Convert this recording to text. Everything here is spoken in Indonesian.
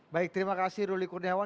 baik terima kasih ruli kurniawan